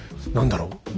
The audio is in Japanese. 何だろう